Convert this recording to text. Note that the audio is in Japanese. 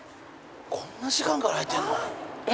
こんな時間から開いてるの。